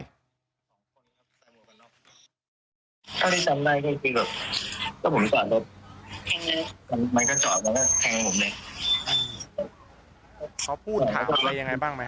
เขาพูดถามพวกอะไรอย่างไรบ้างไหมฮะ